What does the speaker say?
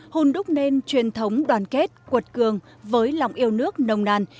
hôn đúc nên truyền thống đoàn kết quật cường với lòng yêu nước nồng nàn